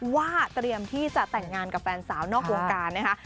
ว่าเตรียมที่จะแต่งงานกับแฟนสาวนอกวงการนะคะ